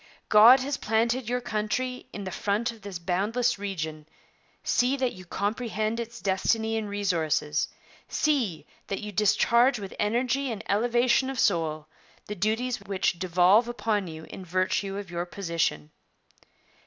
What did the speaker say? God has planted your country in the front of this boundless region; see that you comprehend its destiny and resources see that you discharge with energy and elevation of soul the duties which devolve upon you in virtue of your position.